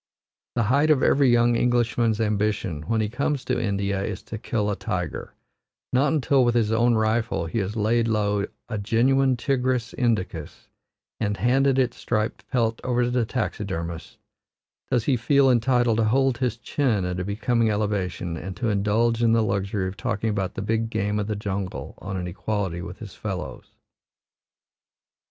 The height of every young Englishman's ambition when he comes to India is to kill a tiger; not until with his own rifle he has laid low a genuine Tigris Indicus, and handed its striped pelt over to the taxidermist, does he feel entitled to hold his chin at a becoming elevation and to indulge in the luxury of talking about the big game of the jungle on an equality with his fellows.